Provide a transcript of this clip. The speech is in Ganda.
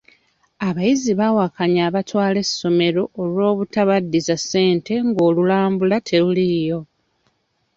Abayizi baawakanya abatwala essomero olwobutabaddiza ssente ng'olulambula teruliiyo.